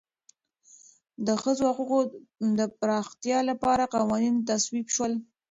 د ښځو حقوقو د پراختیا لپاره قوانین تصویب شول.